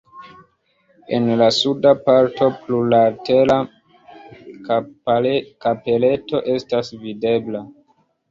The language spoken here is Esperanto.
En la suda parto plurlatera kapeleto estas videbla.